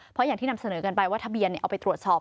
เพราะอย่างที่นำเสนอกันไปว่าทะเบียนเอาไปตรวจสอบ